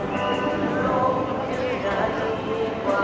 ขอบคุณทุกคนมากครับที่ทุกคนรัก